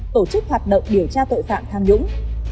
tổ chức hoạt động điều tra tội phạm tham nhũng